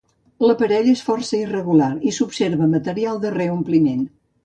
L'aparell és força irregular i s'observa material de reompliment.